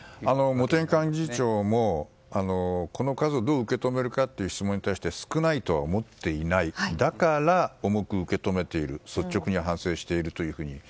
茂木幹事長もこの数をどう受け止めるかという質問に対して少ないとは思ってないだから、重く受け止めている率直に反省しているというふうに。